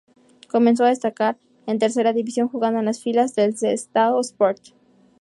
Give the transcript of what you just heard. Comenzó a destacar en Tercera División jugando en las filas del Sestao Sport.